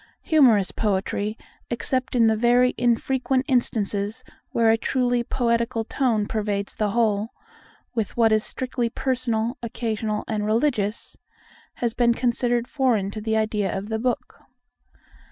Humorous poetry, except in the very infrequent instances where a truly poetical tone pervades the whole, with what is strictly personal, occasional, and religious, has been considered foreign to the idea of the book.